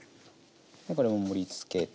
これも盛りつけて。